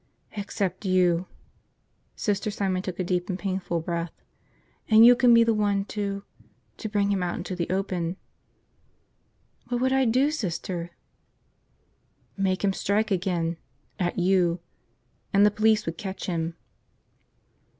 "Except you. ..." Sister Simon took a deep and painful breath. "And you can be the one to – to bring him out into the open." "What would I do, Sister?" "Make him strike again. At you. And the police would catch him."